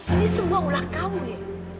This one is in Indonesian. ini semua ulah kamu ya